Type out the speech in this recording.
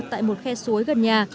tại một khe suối gần nhà